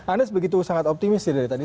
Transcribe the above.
anda begitu sangat optimis ya dari tadi